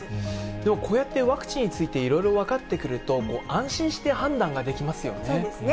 でもこうやってワクチンについていろいろ分かってくると、安心して判断ができますよね。